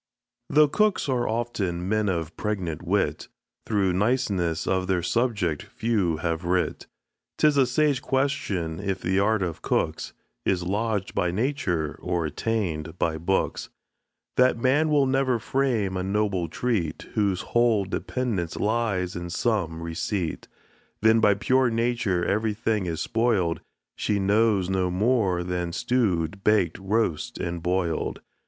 Though cooks are often men of pregnant wit, Through niceness of their subject few have writ. 'Tis a sage question, if the art of cooks Is lodg'd by nature or attain'd by books? That man will never frame a noble treat, Whose whole dependence lies in some receipt. Then by pure nature everything is spoil'd, She knows no more than stew'd, bak'd, roast, and boil'd.